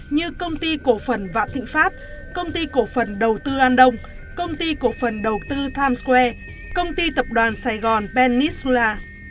như công ty cổ phần vạn thịnh pháp công ty cổ phần đầu tư an đông công ty cổ phần đầu tư times square công ty tập đoàn sài gòn pennisula